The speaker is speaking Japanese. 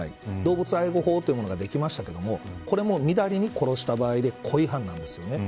動物愛護法というものができましたがこれもみだりに殺した場合で故意犯です。